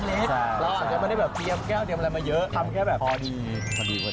เราอาจจะไม่ได้เตรียมแก้วโดยมาเยอะทำแค่พอดี